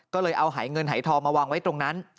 ก็เลยเอาหายเงินหายทองมาวางไว้ตรงนั้น